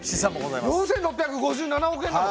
４６５７億円なの？